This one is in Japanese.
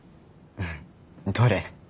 どれ？